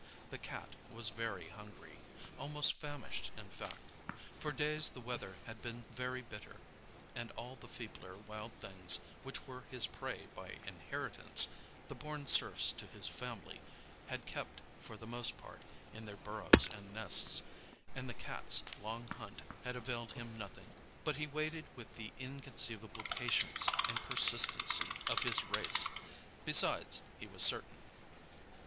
The Cat was very hungry almost famished, in fact. For days the weather had been very bitter, and all the feebler wild things which were his prey by inheritance, the born serfs to his family, had kept, for the most part, in their burrows and nests, and the Cat's long hunt had availed him nothing. But he waited with the inconceivable patience and persistency of his race; besides, he was certain.